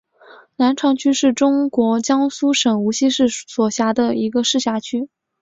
南长区是中国江苏省无锡市所辖的一个市辖区。